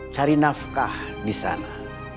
cari nafkah di sana